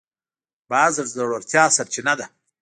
باز د زړورتیا سرچینه ده